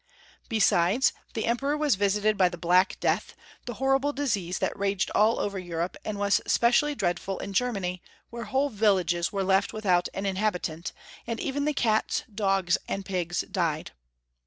Besides, the empire was visited by the Black Death, the horrible disease that raged all over Europe, and was specially dreadful in Ger many, where whole villages were left without an inhabitant, and even the cats, dogs, and pigs died.